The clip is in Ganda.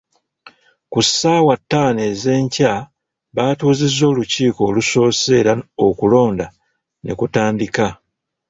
Ku ssaawa ttaano ez'enkya batuuzizza olukiiko olusoose era okulonda ne kutandika.